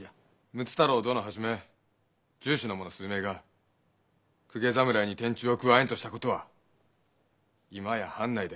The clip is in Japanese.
睦太郎殿はじめ銃士の者数名が公家侍に天誅を加えんとしたことは今や藩内で公然の秘密です。